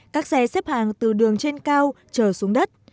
các xe xếp hàng từ đường trên cao chờ xuống đất